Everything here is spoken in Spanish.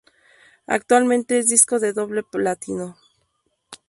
Actualmente es disco de doble platino.